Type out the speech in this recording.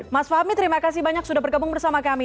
mas fahmi terima kasih banyak sudah bergabung bersama kami